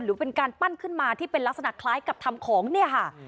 หรือเป็นการปั้นขึ้นมาที่เป็นลักษณะคล้ายกับทำของเนี่ยค่ะ